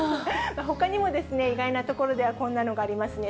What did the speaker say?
ほかにもですね、意外なところではこんなのがありますね。